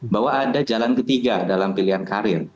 bahwa ada jalan ketiga dalam pilihan karir